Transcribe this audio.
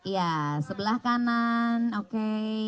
ya sebelah kanan oke